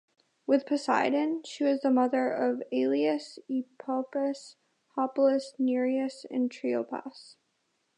With Poseidon, she was the mother of Aloeus, Epopeus, Hopleus, Nireus and Triopas.